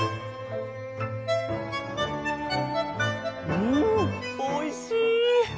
うんおいしい！